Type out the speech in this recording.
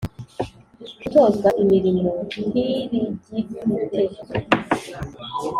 mu gutozwa imirimo ntirigifite